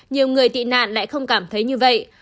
nhiều người tị nạn lại không cảm thấy như vậy